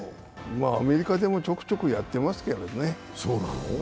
アメリカでもちょくちょくやってますけどね。